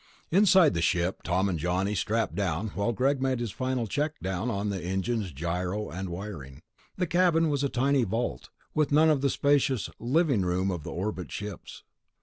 Inside the ship Tom and Johnny strapped down while Greg made his final check down on the engines, gyros and wiring. The cabin was a tiny vault, with none of the spacious "living room" of the orbit ships.